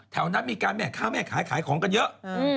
แถวนั้นมีการแม่ค่าแม่ขายของกันเยอะ